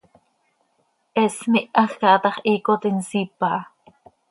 He smihaj caha tax, hiicot insiip aha.